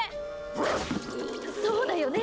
そうだよね